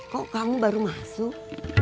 kok kamu baru masuk